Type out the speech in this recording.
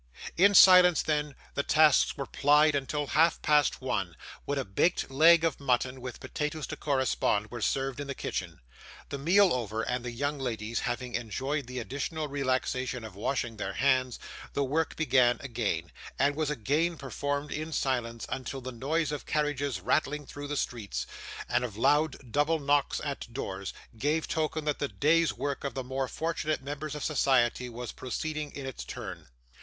In silence, then, the tasks were plied until half past one, when a baked leg of mutton, with potatoes to correspond, were served in the kitchen. The meal over, and the young ladies having enjoyed the additional relaxation of washing their hands, the work began again, and was again performed in silence, until the noise of carriages rattling through the streets, and of loud double knocks at doors, gave token that the day's work of the more fortunate members of society was proceeding in its turn.